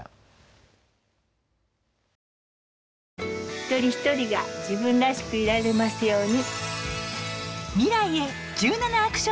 一人一人が自分らしくいられますように。